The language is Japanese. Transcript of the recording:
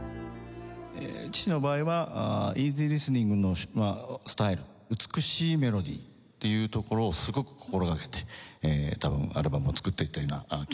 父の場合はイージーリスニングのスタイル美しいメロディーっていうところをすごく心がけて多分アルバムを作っていたような気がします。